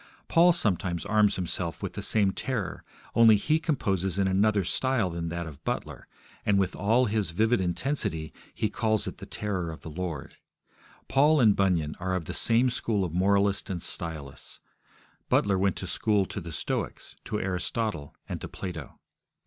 Paul sometimes arms himself with the same terror; only he composes in another style than that of Butler, and, with all his vivid intensity, he calls it the terror of the Lord. Paul and Bunyan are of the same school of moralists and stylists; Butler went to school to the Stoics, to Aristotle, and to Plato.